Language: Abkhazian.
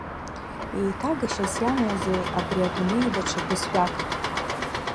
Еиҭагашьас иамоузеи абри адунеи даҽа бызшәак ахь?